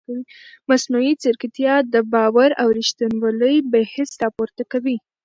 مصنوعي ځیرکتیا د باور او ریښتینولۍ بحث راپورته کوي.